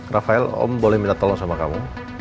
rafael om boleh minta tolong sama kamu